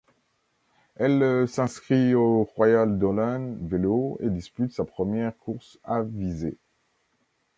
Elle s'inscrit au Royal Dolhain Vélo et dispute sa première course à Visé.